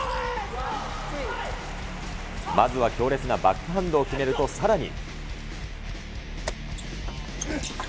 まずは強烈なバックハンドを決めるとさらに。